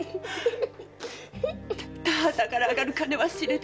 田畑から上がる金は知れてる。